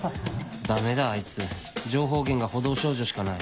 ダメだあいつ情報源が補導少女しかない